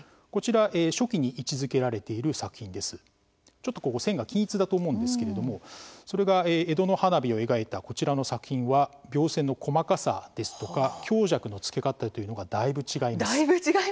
ちょっとここ線が均一だと思うんですけれどもそれが江戸の花火を描いたこちらの作品は描線の細かさですとか強弱のつけ方というのがだいぶ違います。